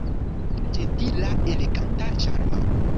Ĝentila, eleganta, ĉarma!